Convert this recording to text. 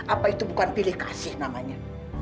apa itu bukan pilih kasih namanya